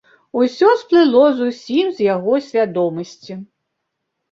Усё сплыло зусім з яго свядомасці.